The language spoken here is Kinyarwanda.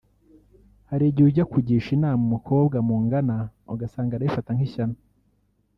Hari igihe ujya kugisha inama umukobwa mungana ugasanga arabifata nk’ishyano